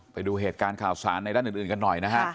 ไปดูเหตุการณ์ข่าวสารในด้านอื่นกันหน่อยนะฮะ